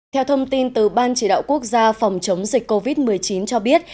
theo thông tin từ ban chỉ đạo quốc gia phòng chống dịch covid một mươi chín cho biết